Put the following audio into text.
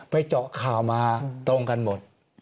เจาะข่าวมาตรงกันหมด